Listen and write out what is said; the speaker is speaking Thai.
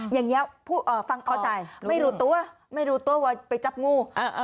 อย่างนี้ฟังเข้าใจไม่รู้ตัวไม่รู้ตัวว่าไปจับงู